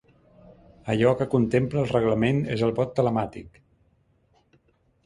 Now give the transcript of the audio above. Allò que contempla el reglament és el vot telemàtic.